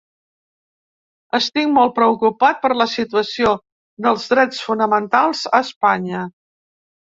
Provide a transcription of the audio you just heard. Estic molt preocupat per la situació dels drets fonamentals a Espanya.